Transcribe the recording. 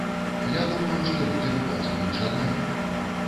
Я думаю, што людзі выказваюць жаданне.